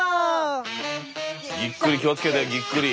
ぎっくり気を付けてぎっくり。